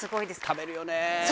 食べるよね。